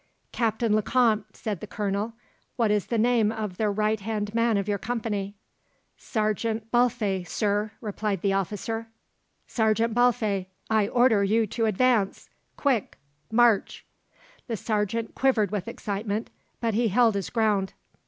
"Captain Lecomte," said the Colonel, "what is the name of the right hand man of your company?" "Sergeant Balfe, Sir," replied the officer. "Sergeant Balfe, I order you to advance. Quick march!" The sergeant quivered with excitement; but he held his ground.